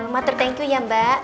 mata terima kasih ya mbak